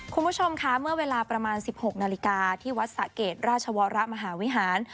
คุณผู้ชมคะเมื่อเวลาประมาณ๑๖นาฬิกาที่วัดสะเกดราชวรมหาวิหาร